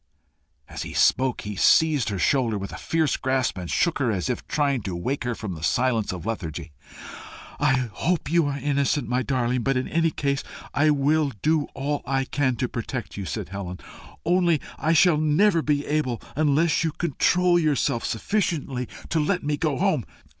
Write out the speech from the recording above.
As he spoke, he seized her shoulder with a fierce grasp, and shook her as if trying to wake her from the silence of a lethargy. "I hope you are innocent, my darling. But in any case I will do all I can to protect you," said Helen. "Only I shall never be able unless you control yourself sufficiently to let me go home."